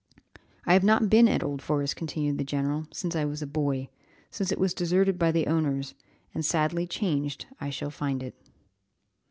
"I have not been at Old Forest," continued the general, "since I was a boy since it was deserted by the owners, and sadly changed I shall find it.